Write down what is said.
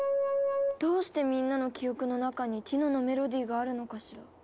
どうしてみんなの記憶の中にティノのメロディーがあるのかしら？